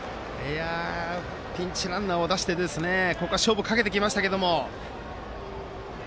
ピンチランナーを出してここは勝負をかけてきましたけど。